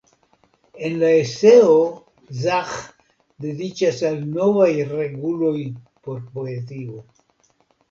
En la eseo Zaĥ decidas al novaj reguloj por poezio.